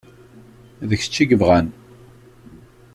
D kečč i yebɣan.